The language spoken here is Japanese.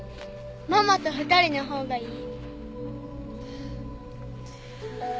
ママと２人のほうがいい。